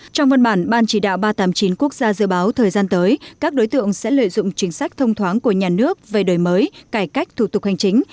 trong văn bản ban chỉ đạo ba trăm tám mươi chín quốc gia dự báo thời gian tới các đối tượng sẽ lợi dụng chính sách thông thoáng của nhà nước về đổi mới cải cách thủ tục hành chính